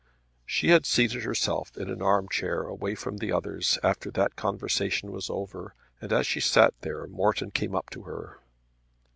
She had seated herself in an arm chair away from the others after that conversation was over, and as she sat there Morton came up to her.